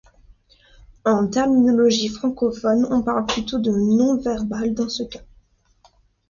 En terminologie francophone, on parle plutôt de nom verbal dans ce cas.